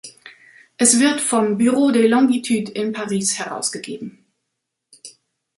Es wird vom Bureau des Longitudes in Paris herausgegeben.